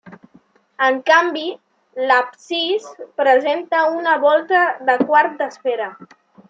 En canvi, l'absis presenta una volta de quart d'esfera.